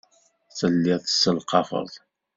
Telliḍ tesselqafeḍ.